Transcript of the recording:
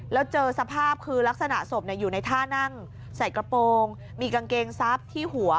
แล้วเจอสภาพคือลักษณะศพอยู่ในท่านั่งใส่กระโปรงมีกางเกงซับที่หัว